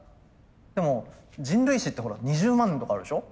でも人類史ってほら２０万年とかあるでしょ。